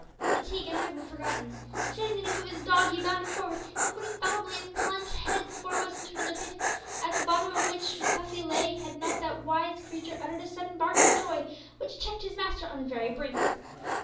Fatigue and hunger were forgotten. Shouting the name of his dog, he bounded forward, and would infallibly have plunged head foremost into another pit, at the bottom of which Cuffy lay, had not that wise creature uttered a sudden bark of joy, which checked his master on the very brink.